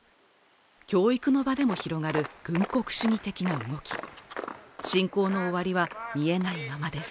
教育の場でも広がる軍国主義的な動き侵攻の終わりは見えないままです